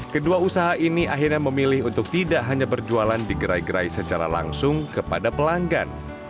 kedua usaha ini akhirnya memilih untuk tidak hanya berjualan di gerai gerai secara langsung kepada pelanggan